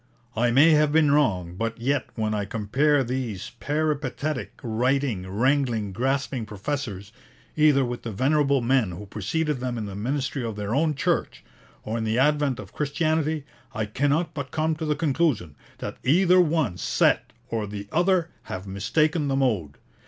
'I may have been wrong, but yet when I compare these peripatetic, writing, wrangling, grasping professors, either with the venerable men who preceded them in the ministry of their own Church, or in the advent of Christianity, I cannot but come to the conclusion that either one set or the other have mistaken the mode.